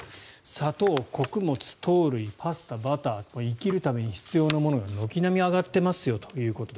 砂糖、穀物、豆類パスタ、バター生きるために必要なものが軒並み上がっていますよと。